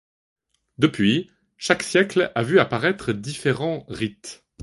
Depuis, chaque siècle a vu apparaître différents rites.